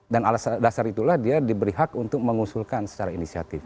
dan alas dasar itulah dia diberi hak untuk mengusulkan secara inisiatif